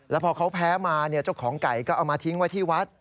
แล้วพอเขาแพ้มาเจ้าของไก่ก็เอามาทิ้งไว้ที่วัด